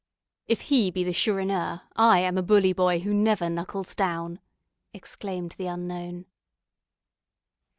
"If he be the Chourineur, I am a bully boy who never knuckles down," exclaimed the unknown.